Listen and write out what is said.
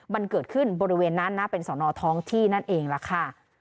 มันเกิดขึ้นบริเวณนั้นนะเป็นสอนอท้องที่นั่นเองล่ะค่ะ